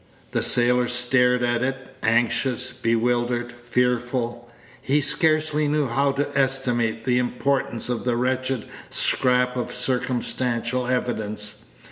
The sailor stared at it, anxious, bewildered, fearful; he scarcely knew how to estimate the importance of the wretched scrap of circumstantial evidence.